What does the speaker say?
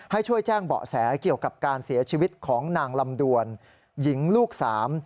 ให้ช่วยแจ้งเบาะแสเกี่ยวกับการเสียชีวิตของนางลำดวนหญิงลูกสาม